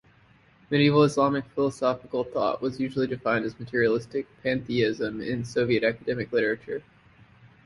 Medieval Islamic philosophical thought was usually defined as materialistic pantheism in soviet academic literature.